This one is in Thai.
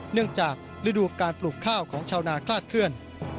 เนื่องจากฤดูการปลูกข้าวของชาวนาคลาดเคลื่อน